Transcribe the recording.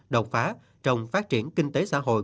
độc phá trong phát triển kinh tế xã hội